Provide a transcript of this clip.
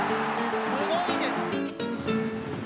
すごいです。